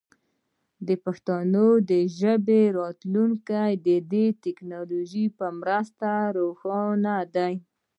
د پښتو ژبې راتلونکی د دې ټکنالوژۍ په مرسته روښانه دی.